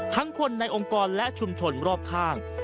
คนในองค์กรและชุมชนรอบข้าง